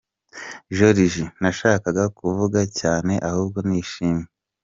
Joriji: Nashakaga kuvuga: Cyane Ahubwo Nishimye.